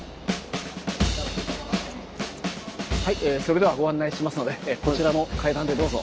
はいそれではご案内しますのでこちらの階段でどうぞ。